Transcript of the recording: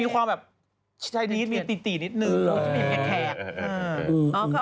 ภูมิมีความติบตั่นหนึ่ง